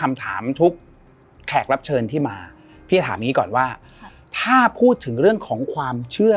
คำถามทุกแขกรับเชิญที่มาพี่จะถามอย่างนี้ก่อนว่าถ้าพูดถึงเรื่องของความเชื่อ